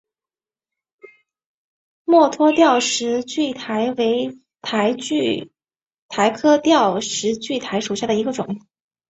墨脱吊石苣苔为苦苣苔科吊石苣苔属下的一个种。